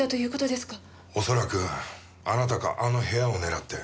恐らくあなたかあの部屋を狙って。